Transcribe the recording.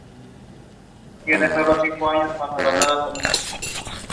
The end of the rule of the company and The British crown took charge.